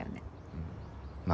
うんまあ